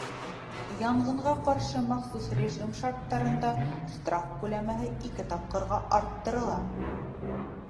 Янғынға ҡаршы махсус режим шарттарында штраф күләме ике тапҡырға арттырыла.